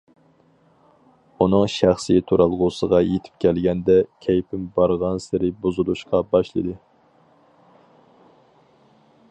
ئۇنىڭ شەخسىي تۇرالغۇسىغا يىتىپ كەلگەندە كەيپىم بارغانسېرى بۇزۇلۇشقا باشلىدى.